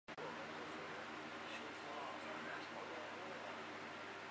一级方程式赛车的商业权利由世界一级方程式锦标赛公司控制。